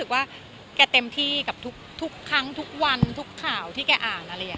ให้เต็มที่กับทุกครั้งทุกวันทุกข่าวที่แกอ่าน